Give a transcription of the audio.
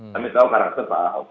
kami tahu karakter pak ahok